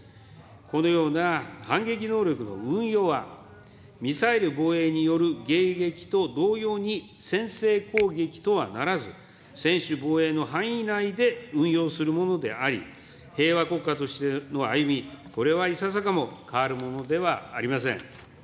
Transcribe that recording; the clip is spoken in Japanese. このような反撃能力の運用は、ミサイル防衛による迎撃と同様に先制攻撃とはならず、専守防衛の範囲内で運用するものであり、平和国家としての歩み、これはいささかも変わるものではありません。